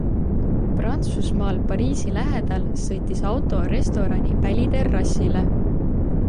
Prantsusmaal Pariisi lähedal sõitis auto restorani väliterrassile.